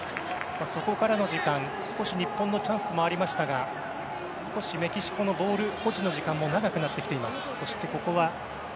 そこからの時間、少し日本のチャンスもありましたがメキシコのボール保持の時間も長くなってきています。